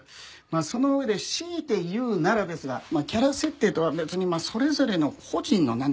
その上で強いて言うならですがキャラ設定とは別にそれぞれの個人のなんていうのかな？